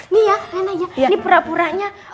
nih ya reina ya ini pura puranya